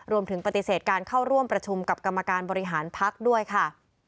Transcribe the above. รวมถึงปฏิเสธการเข้าร่วมประชุมกับกรรมการบริหารพักด้วยค่ะ